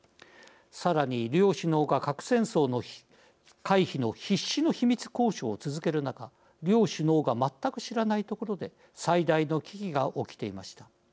さらに両首脳が核戦争の回避の必死の秘密交渉を続ける中両首脳が全く知らないところで最大の危機が起きていました。